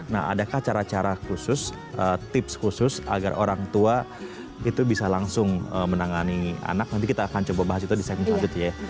nah adakah cara cara khusus tips khusus agar orang tua itu bisa langsung menangani anak nanti kita akan coba bahas itu di segmen selanjutnya ya